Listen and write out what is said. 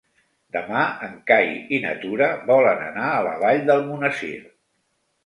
Demà en Cai i na Tura volen anar a la Vall d'Almonesir.